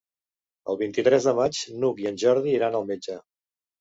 El vint-i-tres de maig n'Hug i en Jordi iran al metge.